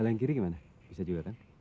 kalau yang kiri gimana bisa juga kan